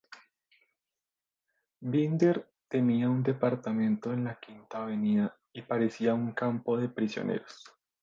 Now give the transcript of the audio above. Binder tenía un departamento en la Quinta Avenida y parecía un campo de prisioneros.